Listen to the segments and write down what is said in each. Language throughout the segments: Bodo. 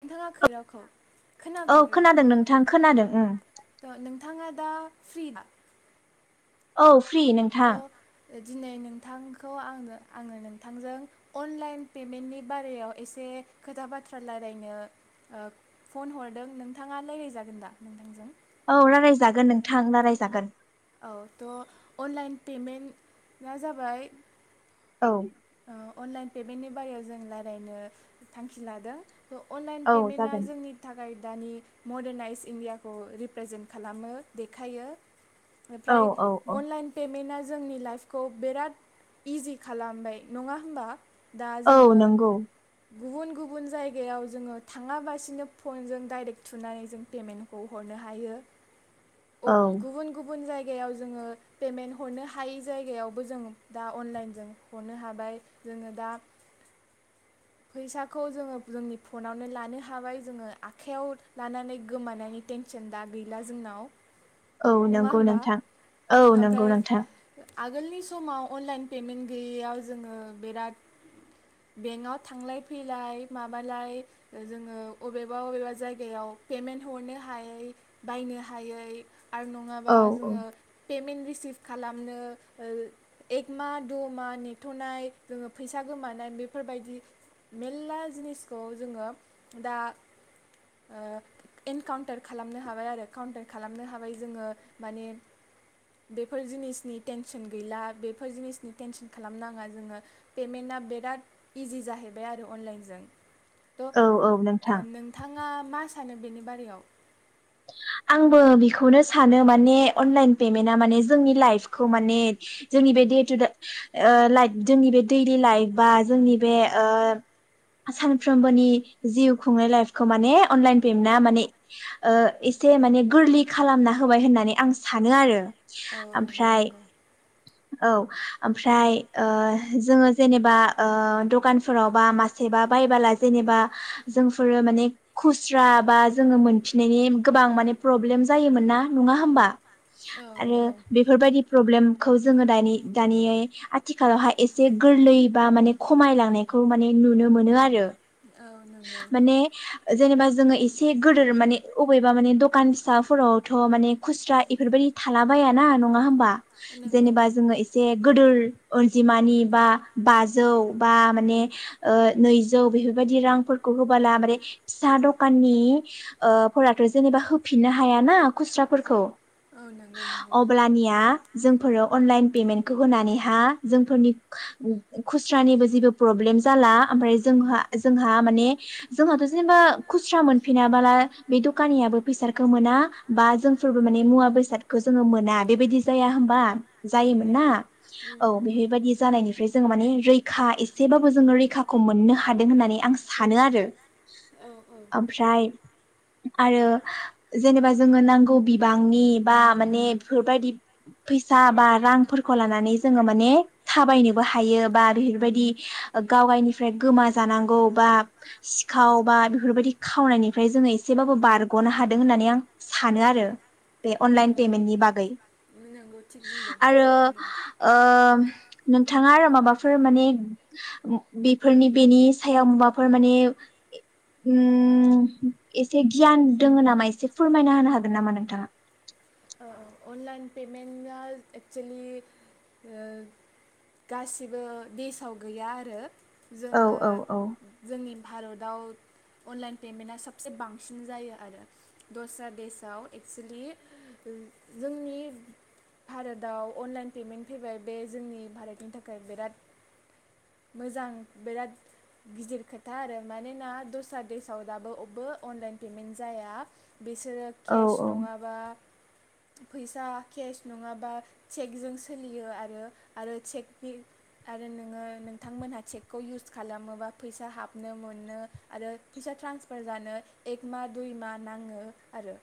नोंथाङा खोनायाखै रावखौ औ खोनादों नोंथां खोनादों ओं खोनाबायब्रा नोंथाङा [inaudible] दा फ्रि ना? औ। फ्रि नोंथां। दिनै नोंथांखौ आंनो आङो नोंथांजों अनलाइन पेमेन्टनि बारायाव एसे खोथा बाथ्रा रायलायनो ओ फन हरदों नोंथाङा रायलाय जागोन दा नोंथांजों? औ रायलाय जागोन नोंथां रायलाय जागोन। औ थ' अनलाइन पेमेन्ट आ जाबाय औ ओ अनलाइन पे बेनि बारियाव जों लायरायनो थांखि लादों। बे अनलाइन औ पेमेन्टा जागोन जोंनि थाखाय दानि मदार नाइज इण्डियाखौ रिप्रेजेन्ट खालामो देखायो औ ओमफ्राय औ औ अनलाइन पेमेन्ट आ जोंनि लाइफखौ बिराद इजि खालामबाय नङा होमबा? दा जोङो औ नंगौ गुबुन गुबुन जायगायाव जोङो थाङाबासिनो फनजों दाइरेक्ट थुनानै जों पेमेन्टखौ हरनो हायो। औ अब गुबुन गुबुन गुबुन जायगायाव जोङो पेमेन्ट हरनो हायै जायगायावबो जों दा अनलाइन जों हरनो हाबाय जोङो दा फैसाखौ जोङो जोंनि फनावनो लानो हाबाय जोङो आखाइयाव लानानै गोमानायनि टेनसन दा गैला जोंनाव। औ नङा नंगौ होमबा नोंथां औ नंगौ ओमफ्राय नोंथां। आगोलनि समाव अनलाइन पेमेन्ट गैयैयाव जोङो बिराद बेंकआव थांलाय फैलाय माबालाय जोङो अबेबा अबेबा जायगायाव पेमेन्ट हरनो हायै बायनो हायै आरो न' औ [unintelligible] सिभ खालामनो एक मा द' मा नेथ'नाय जोङो फैसा गोमानाय बेफोरबायदि मेल्ला जिनिसखौ जोङो दा ओ एनकाउन्टार खालामनो हाबाय आरो काउन्टार खालामनो हाबाय जोङो। माने बेफोर जिनिसनि टेंनसन गैला बेफोर जिनिसनि टेनसन खालामनाङा जोङो पेमेन्टआ बिराद इजि जाहैबाय आरो अनलाइनजों। औ औ नोंथां। आ मा सानो बेनि बारायाव? आंबो बेखौनो सानो माने अनलाइन पेमेन्टआ माने जोंनि लाइफखौ माने जोंनि बे दे टु दा ओ लाइफ जोंनि बे दैलि लाइफ बा जोंनि बे ओ सानफ्रोमबोनि जिउ खुंनाय लाइफखौ माने अनलाइन पेमेन्टा माने ओ एसे माने गोरलै खालामना होबाय होननानै आं सानो आरो। औ नंगौ ओमफ्राय नंगौ औ ओमफ्राय ओ जोङो जेनेबा ओ दखानफोराव बा मासेबा बायबोला जेनेबा जोंफोरो माने खुस्रा बा जोङो मोनफिन नायनि गोबां माने प्रब्लेम जायोमोन ना नङा होमबा औ आरो नंगौ बेफोरबायदि प्रब्लेमखौ जोङो दानि दानि आथिखालावहाय एसे गोरलै बा माने खमायलांनायखौ माने नुनो मोनो आरो। औ नंगौ माने जेनेबा जोङो एसे गोदोर माने अबेबा माने दखान फिसाफोरावथ' माने खुस्रा इफोरबायदि थाला बायाना नङा होमबा? नंगौ जेनेबा जोङो एसे गोदोर अनजिमानि बा बाजौ बा माने ओ नैजौ बेफोरबायदि रां फोरखौ हबोाला मे फिसा दखाननि ओ फोराथ' जेनेबा होफिननो हायाना खुस्राफोरखौ। औ नंगौ नंगौ अब्लानिया जोंफोरो अनलाइन पेमेन्टखौ होनानैहा जोंफोरनि खुस्रानिबो जेबो प्रब्लेम जाला ओमफ्राय जोंहा जोंहा। माने जोंहाथ' जेनेबा खुस्रा मोनफिनाबोला बे दखानियाबो फैसाखौ मोना बा जोंफोरबो माने मुवा बेसादखौ जोङो मोना बेबायदि जाया होमबा? औ जायोमोन ना नंगौ औ उम बेफोरबायदि जानायनिफ्राय जोङो माने रैखा एसेबाबो जोङो रैखाखौ मोननो हादों होननानै आं सा सानो आरो। औ औ ओमफ्राय आरो जेनेबा जोङो नांगौ बिबांनि बा माने बेफोरबायदि फैसा बा रांफोरखौ लानानै जोङो माने थाबायनोबो हायो बा बेफोरबायदि गावायनिफ्राय गोमा जानांगौ बा सिखाव बा बेफोरबायदि खावनायनिफ्राय जोङो एसेबाबो बारग'नो हादों होननानै आं सानो आरो बे औ अनलाइन पेमेन्टनि बागै नंगौ थिग बुंदों आरो थिग बुंदों ओ नोंथाङा आरो माबाफोर माने बेफोरनि बेनि सायाव माबाफोर फोरमाने एसे गियान दोङ नामा एसे फोरमायना होनो हागोन नामा नोंथाङा? ओ-ओ अनलाइन पेमेन्टआ एक्सेलि गासिबो बेसाव गैया आरो। औ जोङो औ औ जोंनि भारत दाउ अनलाइन पेमेन्टा साबसे बांसिन जायो आरो दस्रा देसाव एक्सुलि। जोंनि भारताव अनलाइन पेमेन्ट फैबाय बे जोंनि भारतनि थाखाय बिराद मोजां बिराद गिदिर खोथा आरो मानोना दस्रा देसाव दाबो बबो अनलाइन पेमेन्ट जाया। बिसोरो औ केस नङाबा फैसा केस नङाबा चेकजों सोलियो आरो आरो चेक आरो नोङो नोंथांमोनहा चेकखौ इउस खालामोबा फैसा हाबनो मोनो आरो फैसा ट्रान्सफार जानो एक मा दुइ मा नाङो आरो।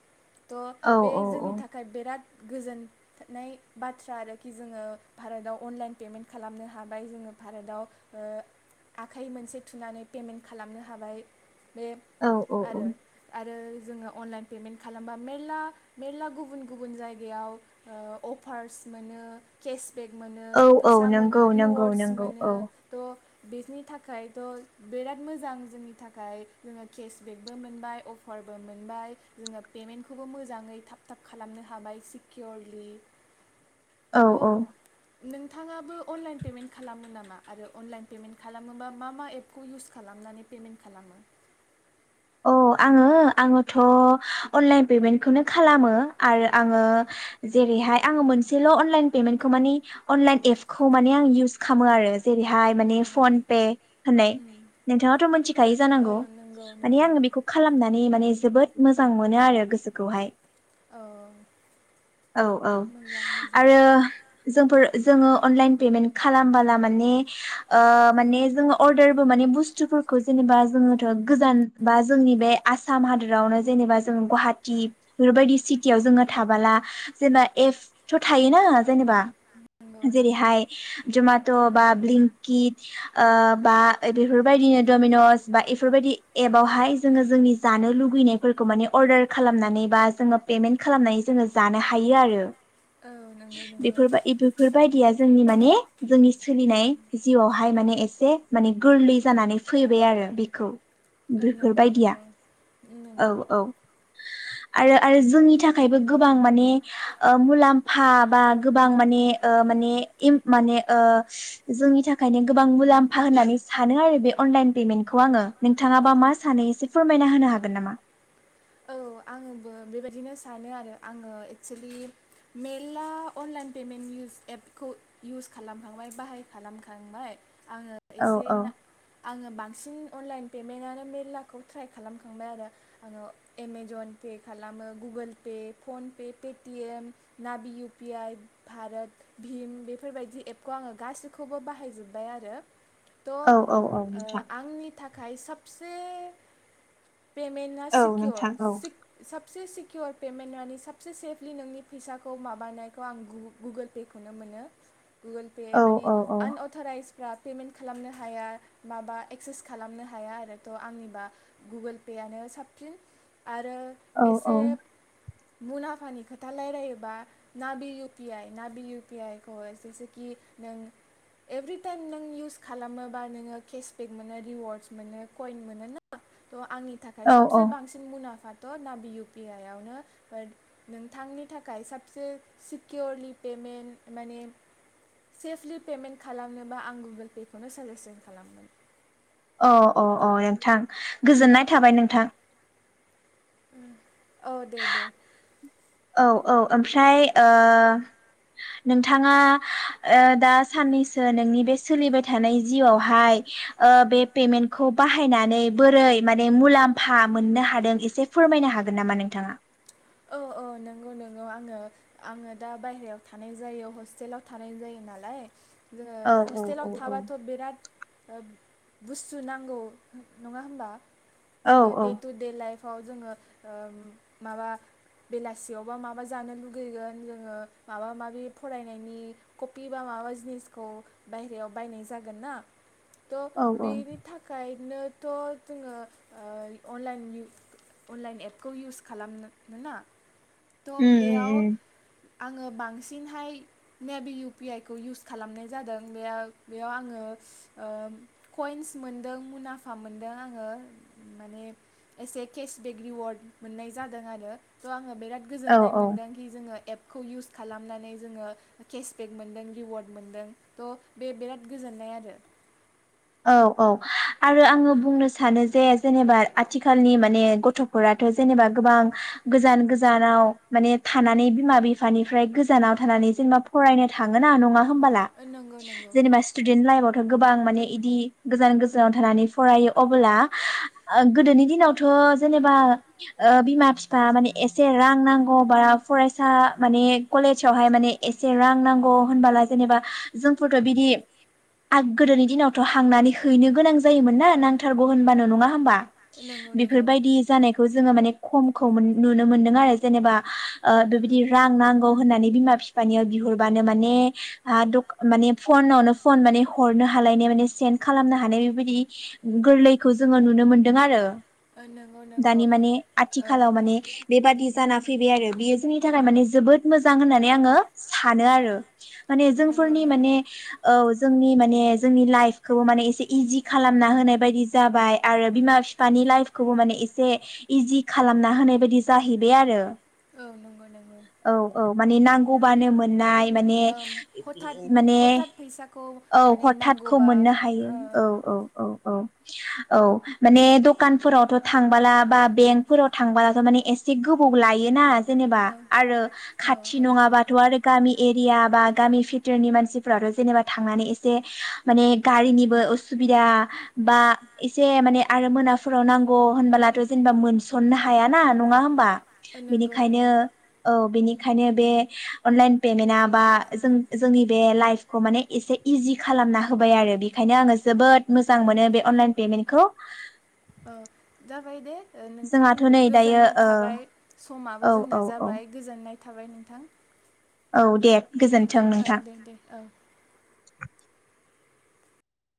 दं औ बे औ औ जोंनि बिराद गोजोननाय बाथ्रा आरोखि जोङो भारताव अनलाइन पेमेन्ट खालामनो हाबाय जोङो भारताव ओ आखाइ मोनसे थुनानै पेमेन्ट खालामनो हाबाय। बे औ आरो-आरो जोङो अनलाइन। खालामबा मेरला-मेरला गुबुन गुबुन-गुबुन जायगायाव ओ अफार्स मोनो केस। बेग मोनो औ औ फैसा मोनो नंगौ नंगौ रिवार्डस नंगौ मोनो औ थ। बेनि थाखायथ बिराद मोजां जोंनि थाखाय जोङो केसबेकबो मोनबाय अफारबो मोनबाय जोङो पेमेन्टखौबो मोजाङै थाब थाब खालामनो हाबाय सिकियरलि। औ थ औ नों नोंथाङाबो अनलाइन पेमेन्ट खालामो नामा आरो अनलाइन पेमेन्ट खालामोबा मा-मा एपखौ इउस खालामनानै पेमेन्ट खालामो? आं आङो आङोथ अनलाइन पेमेन्टखौनो खालामो आरो आङो जेरैहाय आङो मोनसेल अनलाइन पेमेन्टखौ मानि अनलाइन एपखौ माने आं इउस खालामो आरो। जेरैहाय औ मानि फनपे होननाय उम नोंथाङाथ मिथिखाय ओ जानांगौ। नंगौ नंगौ बेखौ खालामनानै माने जोबोद मोजां मोनो आरो गोसोखौहाय। औ औ औ मोजां मोजां आरो। जोंफोर जोङो अनलाइन पेमेन्ट खालामबोला ओ माने माने जोङो अर्दारबो माने बुस्थुफोरखौ जेनेबा जोङोथ गोजान। बा जोंनि बे आसाम हादरावनो जेनेबा जों गुवाहाटिी बेफोरबायदि सिटियाव जोङो थाबाला जेनेबा एफ थथायोना जेनेबा नंगौ नंगौ जेरैहाय जमेटबा ब्लिंकिट बा बेफोरबायदिनो डमिनस बा बेफोरबायदि। एपावहाय जोङो जोंनि जानो लुुबैनायफोरखौ माने अर्डार खालामनानै बा जोङो पेमेन्ट खालामनानै जोङो जानो हायो आरो। औ नंगौ नंगौ बेफोरबाय बेफोरबायदिया। जोंनि माने। जोंनि उम सोलिनाय जिउआव बेहाय माने एसे माने गोरलै जानानै फैबाय आरो बेखौ। ओं नंगौ बेफोरबायदिया नंगौ नंगौ आरो-आरो जोंनि थाखायबो गोबां माने ओ मुलाम्फा बा गोबां माने-माने माने जोंनि थाखायनो गोबां मुलाम्फा होननानै सानो आरो बे अनलाइन पेमेन्टखौ आङो नोंथां। नोंथांङाबा मा सानै एसे फोरमायना होनो हागोन नामा? औ आङोबो बेबायदिनो सानो आरो आङो एक्सलि मेलला अनलाइन पेमेन्ट इउस एपखौ इउस खालामखांबाय बाहाय खालामखांबाय। आङो औ एसे औ आङो बांसिन। अनलाइन पेमेन्टआनो मेरलाखौ ट्राइ खालामखांबाय आरो आङो। एमेजन पे खालामो गुगोल पे फनपे पेटिएम नाभि इउ पि आइ भारत भिम बेफोरबायदि एपखौ आङो गाैखौबो बाहायजोबबाय आरो। थ औ औ औ ओ नोंथां आंनि थाखाय। दायो सबसे पेमेन्टआ औ सिकियर नोंथां औ से सिकिर पेमेन्टआनो साबसे सेफलि नोंनि फैसाखौ माबानायखौ आं गुगोल पे खौनो मोनो। गुगोल पे औ माने औ आनअथराइजफ्रा पेमेन्ट खालामनो हाया माबा एक्सेस खालामनो हाया आरोथ' आंनिबा गुगोल पेआनो साबसिन आरो औ एसे मुलामफानि खोथा रायलायोबा नाबिल इउ पि आइ नाबिल इउ पि आइ खौ जेसेखि नों एभ्रिटाइम नों इउस खालामोबा नोङो केसबेक मोनो रिवार्डस मोनो कइन मोनो ना थ' आंनि थाखाय औ साबसे औ बांसिन मुना फाथ' नाबि इउ पि आइ आवनो बा नोंथांनि थाखाय साबसे सिकिरलि पेमन्ट माने सेफलि पेमेन्ट खालामनोबा आं गुगोल पे खौनो साजेसन खालामगोन। अ अ अ नोंथां गोजोननाय थाबाय नोंथां। औ दे दे औ औ ओमफ्राय ओ नोंथाङा ओ दा साननैसो नोंनि बे सोलिबाय थानाय जिउआवहाय ओ बे पेमेन्टखौ बाहायनानै बोरै माने मुलाम्फा मोननो हादों एसे फोरमायनो हागोन नामा नोंथाङा? औ औ नंगौ नंगौ आङो आङो दा बायह्रारायाव थानाय जायो हस्टेलाव थानाय जायो नालाय जोंङो औ औ औ हस्टेलाव औ थाबाथ' बिराद ओ बुस्थु नांगौ नङा होनोमबा? औ जोङो औ दे टु दे लाइफ खौ जोङो माबा बेलासियावबा माबा जानो लुगैगोन जोङो माबा माबि फरायनायनि कपि बा माबा जिनिसखौ बाहेरायाव बायनाय जागोन ना त' औ औ बेनि थाखाय नोथ' जोङो ओ अनलाइन अनलाइन एपखौ इउस खालामनो मोना थ उम उम बेयाव उम आङो बांसिनहाय नेभि इउपि आइ खौ इउस खालामनाय जादों बे बेयाव आङो कइन्स मोनदों मुनाफा मोनदों आङो माने एसे केसबेक रिवार्ड मोननाय जादों आरो थ' आङो बिराद औ गोजोन्नाय औ मोनदोंखि जोङो एप खौ इउस खालामनानै जोङो केसबेक मोनदों रिवार्ड मोनदों थ' बे बिराद गोजोननाय आरो। औ औ आरो आङो बुंनो सानो जे जेनेबा आथिखालनि माने गथ'फोराथ' जेनेबा गोबां गोजान गोजानाव माने थानानै बिमा बिफानिफ्राय गोजानाव थानानै जेनेबा फरायनो थाङो ना नङा होनबाला ओ नंगौ नंगौ जनेबा स्टुडेन्ट लाइफआवथ' गोबां मानि इदि गोजान गोजानाव थानानै फरायो अबोला गोदोनि दिनावथ' जेनेबा ओ बिमा बिफा माने एसे रां नांगौ बा फरायसा माने कलेजावहाय माने एसे रां नांगौ होनबला जेनेबा जोंफोरथ' बिदि गोदोनि दिनाव थ' हांनानै हैनो गोनां जायोमोन ना नांथारगौ होनबानो नङा होमबा? नंगौ नंगौ बेफोरबायदि जानायखौ जोङो माने खमखौ नुनो मोनदों आरो जेनेबा ओ बेबायदि रां नांगौ होननानै बिमा बिफानियाव बिहरबानो माने माने फनावनो फन माने हरनो हालायनाय माने सेन खालामनो हानाय बेबायदि गोरलैखौ जोङो नुनो मोनदों आरो ओ नंगौ नंगौ दानि माने औ आथिखालाव माने बेबादि जाना फैबाय आरो बियो जोंनि थाखाय माने जोबोद मोजां होननानै आङो सानो आरो। माने नंगौ जोंफोरनि नंगौ माने औ जोंनि माने जोंनि लाइफ खौ माने एसे इजि खालामना होनाय बायदि जाबाय आरो बिमा बिफानि लाइफखौबो माने एसे इजि खालामना होनाय बायदि जाहैबाय आरो। औ नंगौ नंगौ मानि नांगौबानो मोननाय माने ओम हथाथ मोन माने हथात फैसाखौ औ माने हथातखौ नांगौबा मोननो हायो ओ औ औ औ औ औ माने दखानफोरावथ' थांबाला बा बेंकफोराव थांबालाथ' माने एसे गोबाव लायोना जेनेबा आरो खाथि आरो नङाबाथ' आरो गामि एरिया बा गामि फिथोरनि मानसिफोराथ' जेनेबा थांनानै एसे माने गारिनिबो उसुबिदा बा एसे माने आरो मोनाफोराव नांगौ होनबोलाथ' जेनेबा मोनसननो हायाना नङा होनोमबा? नङा होमबा नंगौ बेनिखायनो नंगौ औ बिनिख ओंखायनो बे अनलाइन पेमेन्टआ बा जों- जोंनि बे लाइफखौ माने एसे इजि खालामना होबाय आरो। बेनिखायनो आङो जोबोद मोजां मोनो बे अनलाइन पेमेन्टखौ। ओ- जाबाय दे। ओ- नोंथां जोंहाथ' नै दायो गो-गोजोननाय ओ थाबाय औ समाबो औ जोंना औ जाबाय गोजोननाय थाबाय नोंथां। औ दे गोजोन्थों ओ नोंथां। दे दे औ